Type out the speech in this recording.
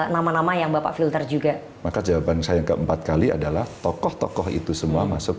nama nama yang bapak filter juga maka jawaban saya keempat kali adalah tokoh tokoh itu semua masuk